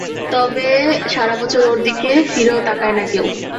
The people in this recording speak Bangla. তবে সারাবছর ওর দিক ফিরেও তাকায় না কেউ।